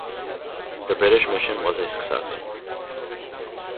The British mission was a success.